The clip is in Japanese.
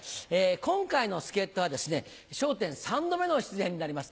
今回の助っ人はですね『笑点』３度目の出演になります。